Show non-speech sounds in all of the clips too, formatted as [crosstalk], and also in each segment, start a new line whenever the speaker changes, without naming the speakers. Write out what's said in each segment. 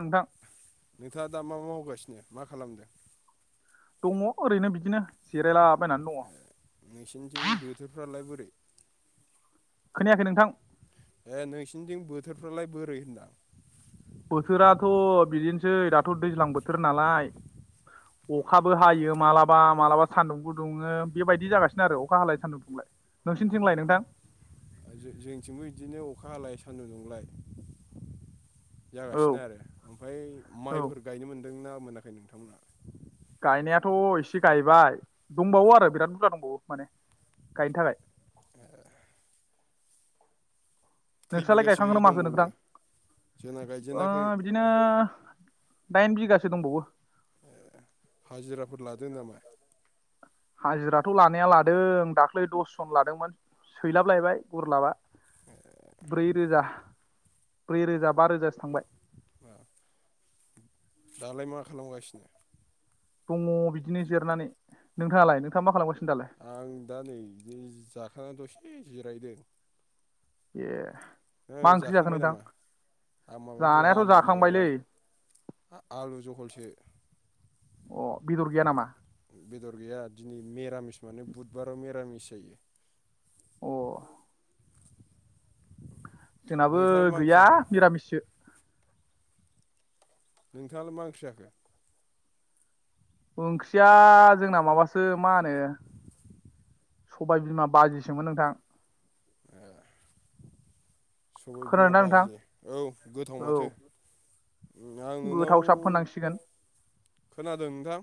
नोंथां
नोंथांङा दा मा मा मावगासिनो, मा खालामदों?
दङ ओरैनो बिदिनो जिरायलाबायनानै दङ।
नोंसोरनिथिं बोथोरफ्रालाय बोरै
खोनायाखै नोंथां
ए नोंसिनिथिं बोथोरफ्रालाय बोरै होनदां
बोथोराथ' बिदिनोसै दाथ' दैज्लां बोथोर नालाय अखाबो हायो मालाबा मालाबा सान्दुंबो दुङो बेबायदि जागासिनो आरो अखा हालाय सान्दुं दुंलाय नोंसिनिथिंलाय नोंथां
जोंनिथिंबो बिदिनो अखा हालाय सान्दुं दुंलाय
औ
जागासिनो आरो ओमफ्राय
औ
माइफोर गायनो मोनदोंना मोनाखै नोंथांमोनहा
गायनायाथ' एसे गायबाय दंबावो आरो बिराद बुरजा दंबावो माने गायनो थाखाय
[unintelligible] खै
नोंस्रालाय
बिगासो
गायखांखोना माखो
दंबावो
नोंथां
जोंना
ओ
गायजेनाखै
बिदिनो दाइन बिगासो दंबावो
हाजिराफोर लादों नामा
हाजिराथ' लानाया लादों दाख्लै दसजन लादोंमोन सैलाब लायबाय गुरलाबा ब्रै रोजा ब्रै रोजा बा रोजासो थांबाय
बा दालाय मा खालामगासिनो
दङ बिदिनो जिरायनानै नोंथाङालाय नोंथाङा मा खालामगासिनो दालाय
आं दा नै बिदि जाखांना दसे जिरायदों
ए
ओ
मा ओंख्रि जाखो
जाखांबाय
नोंथां
नामा माबासो
जानायाथ'
आलुजों
जाखांबायलै
आलु जहलसो
अ बेदर गैया नामा
बेदर गैया दिनै मिरामिस माने बुधबाराव मिरामिस जायो
अ जोंनाबो
नोंथाङालाय मा ओंख्रि
गैया
जाखो
निरामिससो
नोंथाङालाय मा ओंख्रि जाखो
ओंख्रिया जोंना माबासो मा होनो सबाय बिमा बाजिसोमोन नोंथां
[unintelligible] सबाय बिमा
खोनादोंना नोंथां
बाजि औ गोथाव माथो उम, आं नोंनाव
गोथावसाब होननांसिगोन
खोनादों नोंथां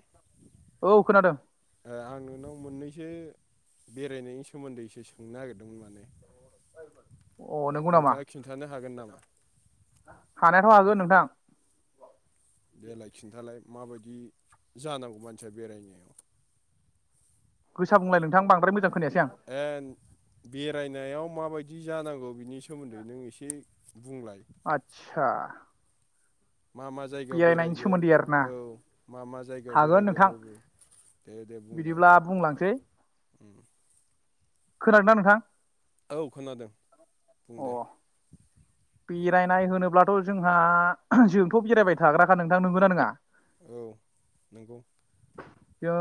औ खोनादों
ए आं नोंनाव मोननैसो बेरायनायनि सोमोन्दै एसे सोंनो नागिरदोंमोन माने
अ नंगौ नामा
नोंथाङा खिन्थानो हागोन नामा
हानायाथ' हागोन नोंथां
देलाय खिन्थालाय माबायदि जानांगौ मानसिया बेरायनायाव
गोसा बुंलाय नोंथां बांद्राय मोजां खोनायासै आं
ए बेरायनायाव माबायदि जानांगौ बिनि सोमोन्दै नों एसे बुंलाय
आतसा
मा-मा जायगायाव बेरायगोन
आरोना
औ मा-मा जायगायाव
हागोन
बेरायगोन
नोंथां
बबे
बिदिब्ला बुंलांसै
उम
खोनादोंना नोंथां
औ खोनादों बुं
अ
दे
बेरायनाय होनोब्लाथ' जोंहा जोंथ' बेरायबाय थाग्राखा नोंथां नंगोना नङा
औ नंगौ
[inaudible] जों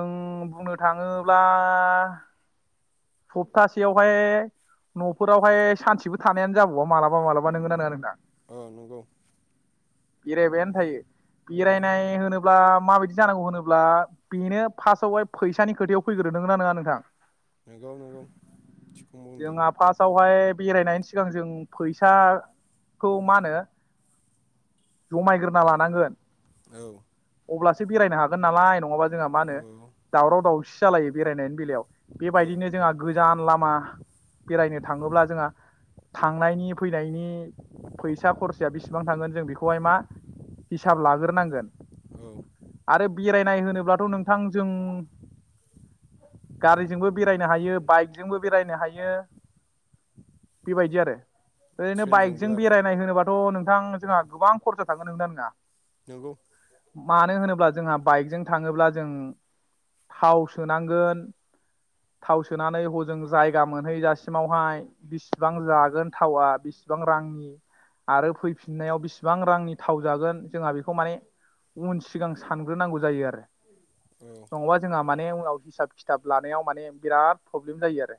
बुंनो थाङोब्ला सप्तासेयावहाय न'फोरावहाय सानसेबो थानायानो जाबावा माबा मालाबा नोंगोना नङा नोंथां
औ नंगौ
बेरायबायानो थायो
औ
बेरायनाय होनोब्ला माबायदि जानांगौ होनोब्ला बेनो फार्स्टआवहाय फैसानि खोथायाव फैग्रो नों नना नङा नोंथां
नंगौ- नंगौ थिखौनो बुंदों
जोंहा फार्स्टआवहाय बेरायनायनि सिगां जों फैसाखौ मा होनो जमायग्रोना लानांगोन
औ
अब्लासो बेरायनो हागोन नालाय नङाबा जोंहा मा होनो
औ
दावराव दावसि जालायो बेरायनायनि बेलायाव
औ
बेबायायदिनो
औ
जोंहा गोजान लामा बेरायनो थाङोब्ला जोंहा थांनायनि फै फनायनि फैसा खरसाया बेसेबां थांगोन जों बेखौहाय मा हिसाब लाग्रोनांगोन
औ
आरो बेराय नाय होनोब्लाथ' नोंथां जों गारिजोंबो बेरायनो हायो बाइकजोंबो बेरायनो हायो बेबायदि आरो ओरैनो
ट्रेनजोंबो
बाइकजों
आरो
बेरायनाय होनोबाथ' नोंथां जोंहा गोबां खरसा थांगोन नोंना नङा
नंगौ
मानो होनोब्ला जोंहा बाइकजों थाङोब्ला जों थाव सोनांगोन थाव सोनानै हजों जायगा मोनहैजासिमावहाय बेसेबां जागोन थावआ बेसेबां र रांनि आरो फैफिननायाव बेसेबां रांनि थाव जागोन जोंहा बेखौ माने उन सिगां सानग्रोनांगौ जायो आरो
औ
नङाबा जोंहा माने उनाव हिसाब खिथाब लानायाव माने बिराद प्रब्लेम जायो आरो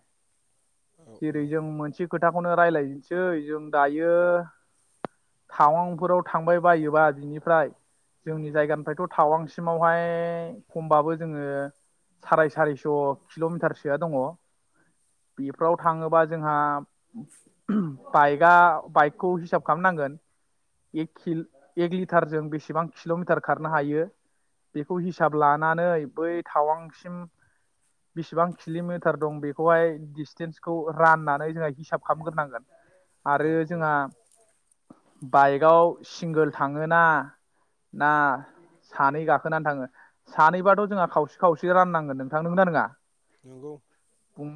औ औ
जेरै जों मोनसे खोथाखौनो रायजलायजनसै जों दायो टाउनफोराव थांबाय बायोबा बिनिफ्राय जोंनि जायगानिफ्रायथ' थावांसिमावहाय खमबाबो जोङो साराय सारिस' किल'मिटारसोआ दङ बेफोराव थाङोबा जोंहा बाइकआ बाइकखौ हिसाब खालामनांगोन कि एक लिटारजों बेसेबां किल'मिटार खारनो हायो बेखौ हिसाब लानानै बै थावांसिम बेसेबां किल'मिटार दं बेखौहाय डिसटेन्सखौ राननानै जोंहा हिसाब खालामग्रोनांगोन
औ
आरो
औ
जोंहा बाइकआव सिंगोल थाङोना ना सानै गाखोनानै थाङो सानैबाथ' जोंहा खावसे खावसे राननांगोन नोंथां नना नङा
नंगौ
नो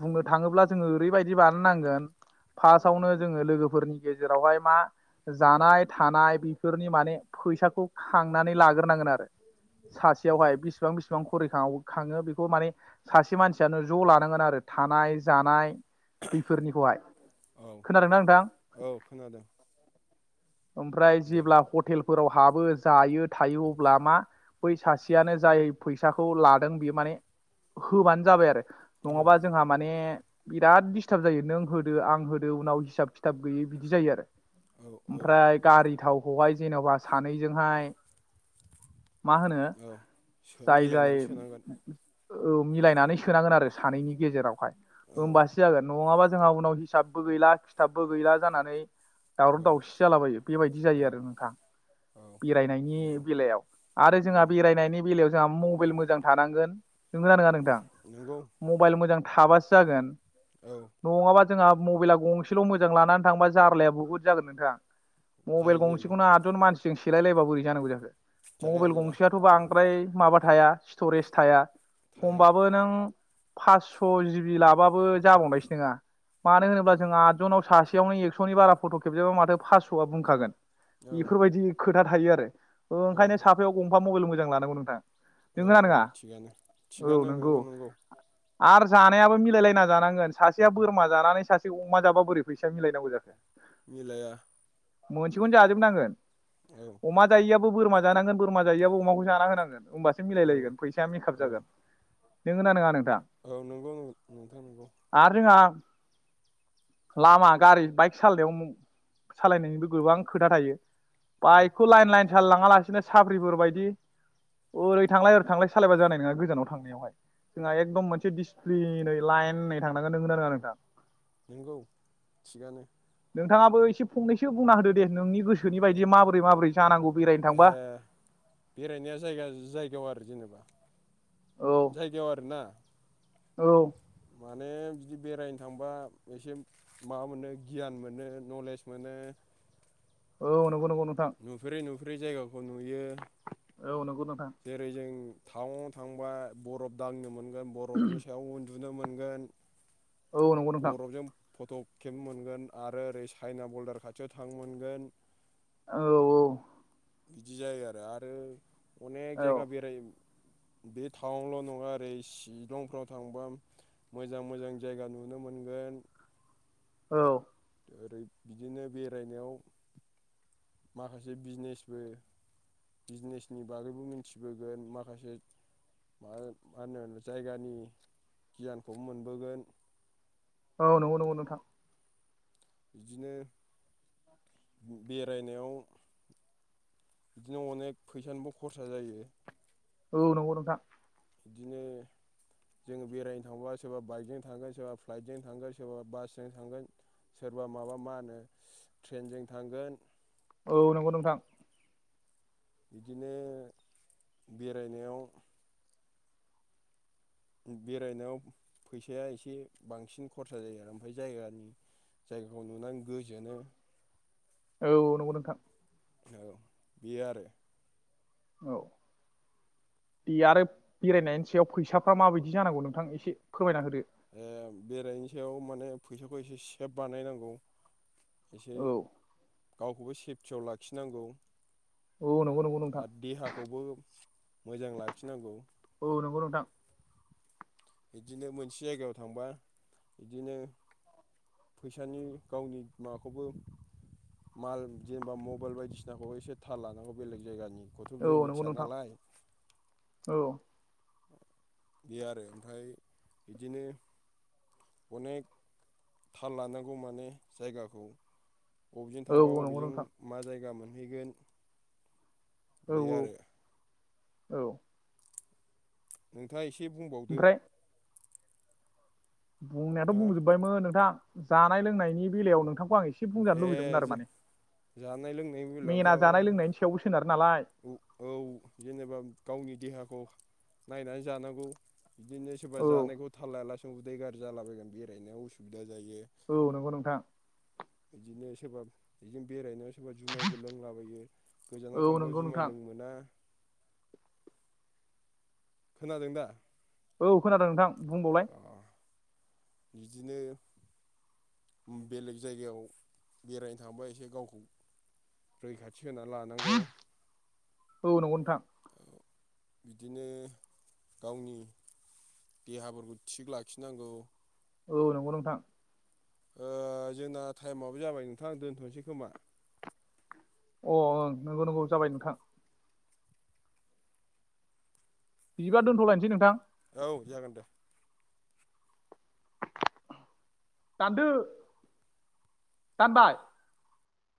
बुंनो थाङोब्ला जोङो ओरैबायदि बानाय नांगोन फार्स्टआवनो जोङो लोगोफोरनि गेजेरावहाय मा जानाय थानाय बेफोरनि माने फैसाखौ खांनानै लाग्रोनांगोन आरो
औ
सासेयावहाय बेसिबां बिसिबां खरि खाङो बेखौ माने सासे मानसियानो ज' लानांगोन आरो थानाय जानाय बैफोरनिखौहाय खोनादोंनाा
जागोन
नोंथां
औ खोनादों
ओमफ्राय
दे
जेब्ला हटेलफोराव हाबो जायो थायो अब्ला मा बै सासेयानो जाय फैसाखौ लादों बे माने होबानो जाबाय आरो
औ
नङाबा जोंहा माने बिराद खिथाब जायो नों होदो आं होदो उनाव हिसाब खिथाब गैयै बिदि जायो आरो
औ औ
ओमफ्राय गारि थावखौहाय जेन'बा सानैजोंहाय मा होनो
औ
जाय- जाय
मिलायनानै सोनांगोन
औ मिलायनानै सोनांगोन आरो सानैनि गेजेरावहाय
औ
ओमबासो जागोन नंगाबा जोंहा उनाव हिसाबबो गैला खिथाबबो गैला जानानै
औ
दावराव - दावसि जालाबायो बेबायदि जायो
औ
आरो नोंथां
औ
बेरायनायनि
नंगौ
बेलायाव आरो
औ
जोंहा बेरायनायनि बेलायाव जोंहा मबेल मोजां थांनांगोन नंगौ ना नङा
उम
नोंथां
नंगौ
मबायल मोजां थाबासो जागोन
औ
नङाबा जोंहा मबाइला गंसेल' मोजां लानानै थांबा जार्लाया बहुत जागोन नोंथा मबायल
जायो जायो
गंसेखौनो आदजन मानसिजों सेलायलायबा बोरै जानांगौ जाखो
जाया
मबेल
जाया
गंसेआथ' बांद्राय माबा थाया स्ट'रेज थाया
थाया
खमबाबो नों फासस' जिबि लाबाबो जाबावनायसो नङा मानो
औ
होनोब्ला जों आदजनाव सासेयावनो एकस'नि बारा फट' खेबजाबा माथो फासस'आ बुंखागोन
औ
बेफोरबायदि खोथा थायो आरो
औ
ओंखायनो साफायाव गंफा मबाइल मोजां लानांगौ नोंथां
औ
नोंगोना
औ
नोङा
थिगानो थिगानो नंगौ नंगौ
आर जानायाबो मिलायलायना जानांगोन सासेया बोरमा जानानै सासे अमा जाबा बोरै फैसा मिलायनांगौ जाखो
मिलाया
मोनसेखौनो जाजोबनांगोन
औ
अमा जायैआबो बोरमा जानांगोन बोरमा जायैआबो अमाखौ जाना होनांगोन। होमबासो
औ
मिलायलायगोन फैसाया मेकाप
औ
जागोन। नोंगौना नङा नों
औ नंगौ नोंथां नंगौ
आरो [inaudible] लामा गारि बाइक सालायनायाव सालायनायनिबो गोबां खोथा थायो‌।
औ
बाइकखौ लाइन
थायो
लइन सालाय लांङा लासिनो साप्रिफोर बायदि ओरै थांलाय ओरै थांलाय सालायबा जानाय नङा गोजानाव थांनायावहाय जोंहा एकदम मोनसे डिसिप्लिनै लाइनै थांनांगोन नोंगौ ना नङा नोंथां
नंगौ थिगानो
नोंथाङाबो एसे फंनैसो बुंना होदो दे नोंनि गोसोनि बायदियै माबोरै माबोरै जानांगौ बेरायनो थांबा
ए बेरायनाया जायगा जायगायाव आरो जेनेबा
औ
जायगायाव आरोना
औ
माने बिदि बेरायनो थांबा एसे माबा मोनो गियान मोनो नलेज मोनो
औ नंगौ नंगौ नोंथां
नुफेरै नुफेरै जायगा
औ नोंगौ नों
जेरै जों टाउनाव थांबा बरफ दांनो मोनगोन बरफनि सायाव उन्दु दुनो मोनगोन
औ नंगौ नोंथां
बरफजों फट' खेबनो मोनगोन आरो ओरै चाइना बरदार खाथियाव थांनो मोनगोन।
औ औ
बिदि जायो आरो आरो अनेक
औ
जायगा बेराय बे टाउनल' नङा ओरै सिलंफ्राव थांबा मोजां मोजां जायगा नुनो मोनगोन
औ
ओरै बिदिनो बेरायनायाव माखासे बिजनेसबो बिजनेसनि बागैबो मिथिबोगोन माखासे मा होन मा होनो जायगानि गियानखौ मोनबोगोन।
औ नंगौ नंगौ नोंथां
बिदिनो बेरायनायाव बिदिनो अनेक फैसानिबो खरसा जायो।
औ नोंगौ नोंथां
बिदिनो जों बेरायनो थांबा सोरबा बाइकजों थांगोन सोरबा फ्लाइटजों थांगोन सोरबा बासजों थांगोन। सोरबा माबा मा होनो ट्रेनजों थांगोन।
औ नंगौ नोंथां
बिदिनो बेरायनायाव ओम बेरायनायाव फैसाया एसे बांसिन खरसा जायो आरो ओमफाय जायगानि जायगाखौ नुनानै गोजोनो।
औ नंगौ नोंथां।
औ बियो आरो।
औ बेयो आरोब बेरायनायनि सायाव फैसाफ्रा माबायदि जानांगौ नोंथां एसे फोरमायना होदो।
ओ बेरायनि सायाव माने फैसाखौ एसे सेफ बानायनांगौ। एसे
औ
गावखौबो सेफटियाव लाखिनांगौ।
औ नंगौ नंगौ नोंथां
आद देहाखौबो मोजां लाखिनांगौ।
औ नंगौ नोंथां
इदिनो मोनसे जायगायाव थांबा इदिनो फैसानि गावनि माबाखौबो‌ माल जेनेबा मबाइल बायदिसिनाखौ एसे थाल लानांगौ बेलेग जायगानि
औ नंगौ नोंथां औ।
बे आरो ओमफाय बिदिनो अनेक थाल लानांगौ माने जायगाखौ। बबेजों
औ
थांबा
औ नंगौ
बबेजों
नोंथां
मा जायगा मोनहैगोन
औ
बे
औ
आरो।
औ
नोंथाङा एसे बुंबावदो।
ओमफ्राय बुंनायाथ'
हा
बुंजोब्बायमोन नोंथां जानाय लोंनायनि बेलायाव नोंथांखौ आं एसे एसे बुंजानो
ए
लुबैदोंमोन आरो माने
जानाय लोंनायनि
मेना जानाय लोंनायनि सायावबो सोनारो नालाय
उ औ जेनेबा गावनि देहाखौ नायनानै जानांगौ। बिदिनो सोरबा
औ
जानायखौ थाल लायालासो उदै गाज्रि जालाबायगोन बेरायनायाव उसुबिदा
औ नंगौ नोंथां।
इदिनो सोरबाब इदिनो बेरायनायाव सोरबा जुमायबो लोंलाबा
औ
थांबा
नंगौ
जुमाय
नोंथां
लों मोना। खोनादों दा?
औ खोनादों नोंथां बुंबावलाय।
अ बिदिनो उम बेलेग जायगायाव बेरायनो थांबा एसे गावखौ रैखा थि होना लानांगौ।
औ नंगौ नोंथां
औ बिदिनो गावनि देहाफोरखौ थिग लाखिनांगौ
औ नंगौ नोंथां।
ओ जोंना टाइमाबो जाबाय नोंथां दोन्थ'नोसै खोमा?
अ ओं नंगौ नंगौ जाबाय नोंथां। बिदिबा दोनथ'लायनोसै नोंथां?
औ जागोन दे।
दानदो दानबाय?